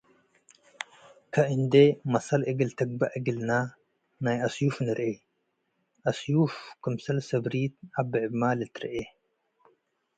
ከእንዴ መሰል እግል ትግበእ እግልነ ናይ አስዩፍ ንርኤ፤ አስዩፍ ክምሰል ስብሪት-አብዕብመ” ልትርኤ ።